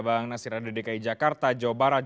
bang nasir ada dki jakarta jawa barat